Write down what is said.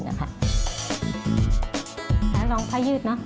แล้วน้องพ่ายืดนะ